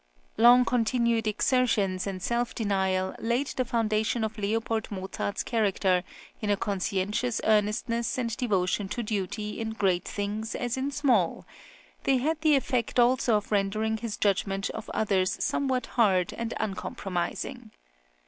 Long continued exertions and self denial laid the foundation of Leopold Mozart's character in a conscientious earnestness and devotion to duty in great things as in small; they had the effect also of rendering his judgment of others somewhat hard and uncompromising.